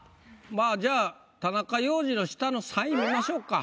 まあじゃあ田中要次の下の３位見ましょうか。